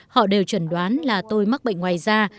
họ đều chuẩn đoán là tôi mắc bệnh ngoài da